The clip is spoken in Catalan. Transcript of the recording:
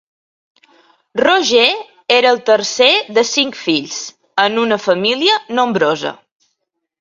Roger era el tercer de cinc fills, en una família nombrosa.